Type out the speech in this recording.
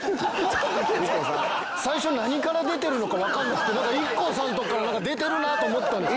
最初何から出てるのかわからなくてＩＫＫＯさんのとこからなんか出てるなと思ったんです。